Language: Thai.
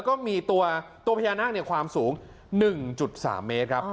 ก็มีตัวพญานาคความสูง๑๓เมตรครับ